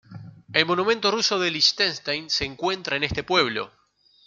El Monumento Ruso de Liechtenstein se encuentra en este pueblo.